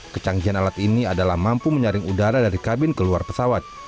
kecanggihan alat ini adalah mampu menyaring udara dari kabin keluar pesawat